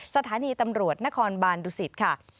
สถานีตำรวจนครบานดุสิตค่ะ